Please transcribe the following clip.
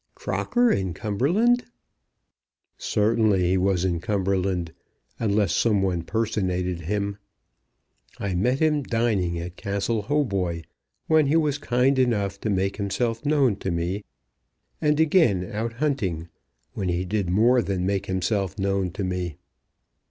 "Crocker in Cumberland?" "Certainly he was in Cumberland, unless some one personated him. I met him dining at Castle Hautboy, when he was kind enough to make himself known to me, and again out hunting, when he did more than make himself known to me."